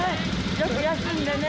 よく休んでね。